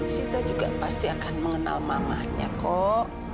sita juga pasti akan mengenal mamahnya kok